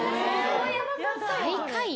最下位。